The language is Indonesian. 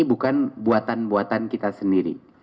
bukan buatan buatan kita sendiri